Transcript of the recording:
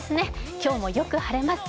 今日もよく晴れます。